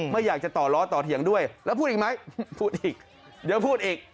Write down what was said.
ไม่อยากจะต่อล้อต่อเถียงด้วยแล้วพูดอีกไหมพูดอีกเดี๋ยวพูดอีก